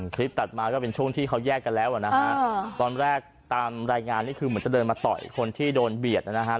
คลิปตัดมาก็เป็นช่วงที่เขาแยกกันแล้วนะฮะตอนแรกตามรายงานนี่คือเหมือนจะเดินมาต่อยคนที่โดนเบียดนะครับ